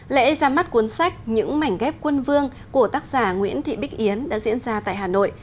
lễ ra mắt cuốn sách những mảnh ghép quân vương của tác giả nguyễn thị bích yến đã diễn ra tại hà nội